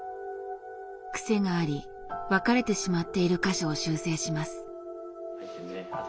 クセがあり分かれてしまっている箇所を修正します。